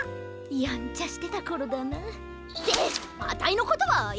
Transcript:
やんちゃしてたころだな。ってあたいのことはいいんだよ！